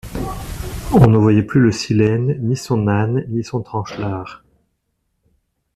On ne voyait plus le Silène, ni son âne, ni son tranchelard.